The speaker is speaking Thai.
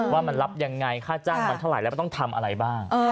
ว่ามันรับยังไงค่าจ้างมันเท่าไหร่แล้วมันต้องทำอะไรบ้าง